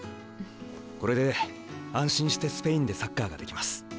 これで安心してスペインでサッカーができます。